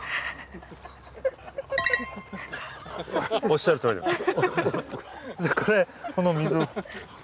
おっしゃるとおりで。